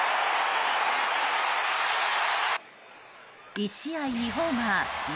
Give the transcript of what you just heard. １試合２ホーマー１０